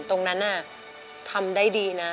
ตรงนั้นทำได้ดีนะ